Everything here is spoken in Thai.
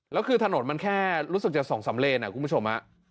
แล้วคือถนนมันแค่รู้สึกจะสองสามเลนอ่ะคุณผู้ชมอ่ะ